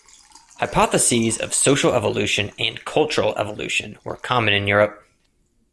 Hypotheses of social evolution and cultural evolution were common in Europe.